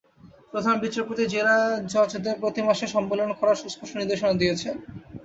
প্রধান বিচারপতি জেলা জজদের প্রতি মাসে সম্মেলন করার সুস্পষ্ট নির্দেশনা দিয়েছেন।